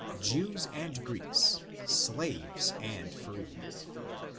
21) Jews and Greeks, slaves and free.